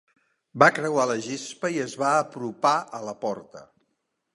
Va creuar la gespa i es va apropar a la porta.